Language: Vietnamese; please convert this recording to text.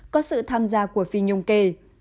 có sự tham gia của phi nhung kể